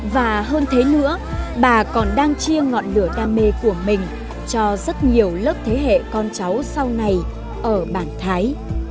và hơn thế nữa bà còn đang chia ngọn lửa đam mê của mình cho rất nhiều lớp thế hệ con cháu sau này ở bản thái